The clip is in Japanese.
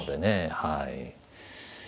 はい。